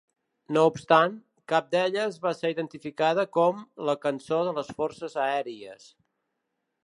No obstant, cap d'elles va ser identificada com "la cançó de les Forces Aèries".